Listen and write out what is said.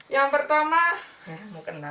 yang pertama eh mau kena